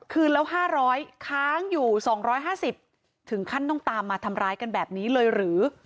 คืนแล้ว๕๐๐ค้างอยู่๒๕๐ถึงขั้นต้องตามมาทำร้ายกันแบบนี้เลยหรือ